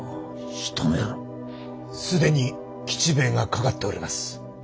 すでに吉兵衛がかかっております。